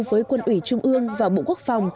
với quân ủy trung ương và bộ quốc phòng